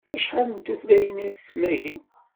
Acḥal n tutlayin ay tesmagim?